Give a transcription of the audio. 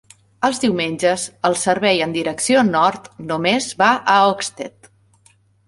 Els diumenges, el servei en direcció nord només va a Oxted.